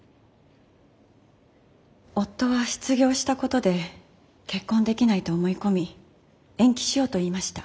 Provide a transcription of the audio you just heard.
夫は失業したことで結婚できないと思い込み延期しようと言いました。